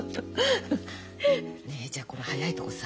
ねえじゃあこの早いとこさ